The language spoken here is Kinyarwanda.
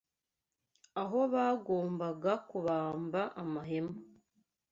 Aho bagombaga kubamba amahema